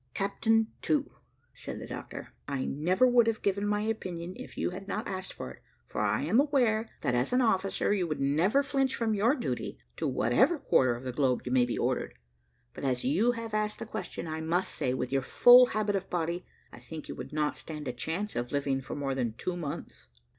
"Captain To," said the doctor, "I never would have given my opinion, if you had not asked it, for I am aware, that, as an officer, you would never flinch from your duty, to whatever quarter of the globe you may be ordered; but as you have asked the question, I must say, with your full habit of body, I think you would not stand a chance of living for more than two months.